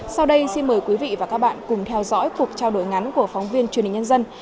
sau đây xin mời quý vị và các bạn cùng theo dõi cuộc trao đổi ngắn của phóng viên truyền hình nhân dân